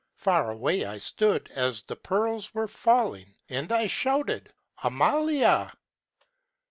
Far away I stood as the pearls were falling, And I shouted: Amalia!